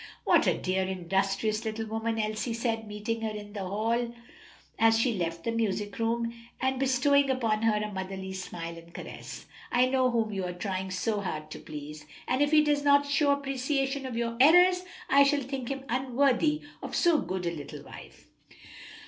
"What a dear, industrious little woman," Elsie said, meeting her in the hall as she left the music room, and bestowing upon her a motherly smile and caress. "I know whom you are trying so hard to please, and if he does not show appreciation of your efforts, I shall think him unworthy of so good a little wife."